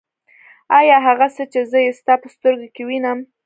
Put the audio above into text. آيا هغه څه چې زه يې ستا په سترګو کې وينم.